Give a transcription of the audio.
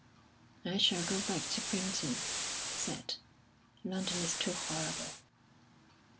"I shall go back to Primpton," he said; "London is too horrible."